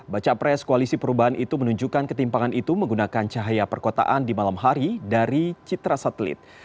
baca pres koalisi perubahan itu menunjukkan ketimpangan itu menggunakan cahaya perkotaan di malam hari dari citra satelit